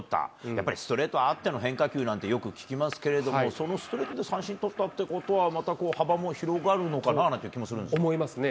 やっぱりストレートあっての変化球なんて、よく聞きますけれども、そのストレートで三振取ったってことは、また幅も広がるのかなと思いますね。